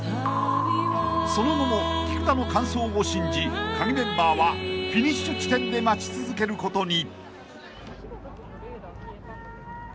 ［その後も菊田の完走を信じカギメンバーはフィニッシュ地点で待ち続けることに］